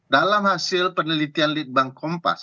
dalam hasil penelitian litbang kompas